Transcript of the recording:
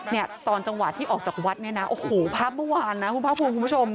เนี่ยตอนจังหวะที่ออกจากวัดเนี่ยนะโอ้โหภาพเมื่อวานนะคุณภาคภูมิคุณผู้ชม